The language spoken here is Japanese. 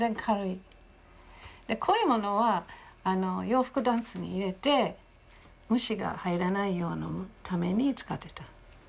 こういうものは洋服ダンスに入れて虫が入らないようなために使ってた。